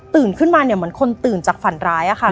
ตื่นขึ้นมาเหมือนคนตื่นจากฝันร้ายค่ะ